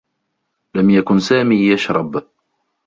لم يكن سامي يشرب.